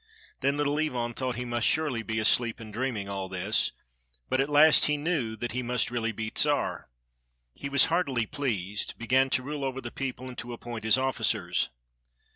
Then Little Ivan thought he must surely be asleep and dreaming all this; but at last he knew that he must be really Czar. He was heartily pleased, began to rule over the people, and to appoint his officers.